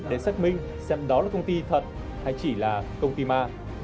để xác minh xem đó là công ty thật hay chỉ là công ty ma